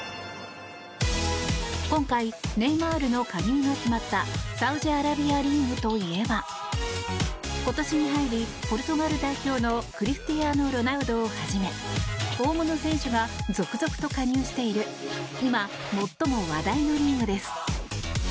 今回、ネイマールの加入が決まったサウジアラビアリーグといえば今年に入り、ポルトガル代表のクリスティアーノ・ロナウドをはじめ大物選手が続々と加入している今、最も話題のリーグです。